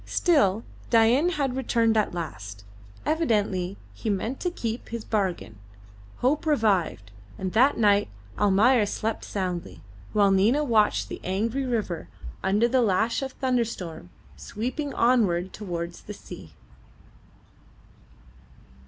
Still, Dain had returned at last. Evidently he meant to keep to his bargain. Hope revived, and that night Almayer slept soundly, while Nina watched the angry river under the lash of the thunderstorm sweeping onward towards the sea.